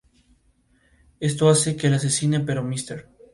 Esto hace que la asesine, pero Mr.